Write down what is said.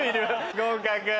合格。